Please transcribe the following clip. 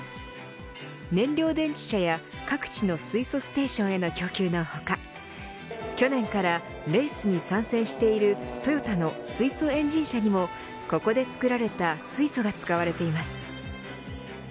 燃料電池車や各地の水素ステーションへの供給のほか去年からレースに参戦しているトヨタの水素エンジン車にもここで作られた水素が使われています。